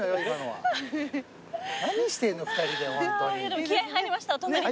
でも気合入りました隣で。